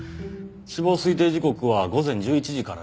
死亡推定時刻は午前１１時から１２時。